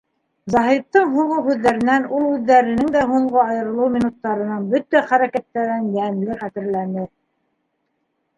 Заһиттың һуңғы һүҙҙәренән ул үҙҙәренең дә һуңғы айырылыу минуттарының бөтә хәрәкәттәрен йәнле хәтерләне.